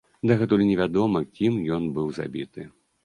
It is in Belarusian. Дагэтуль невядома, кім ён быў забіты.